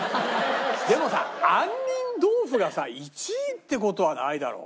でもさ杏仁豆腐がさ１位って事はないだろ。